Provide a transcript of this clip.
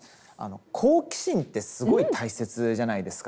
好奇心ってすごい大切じゃないですか。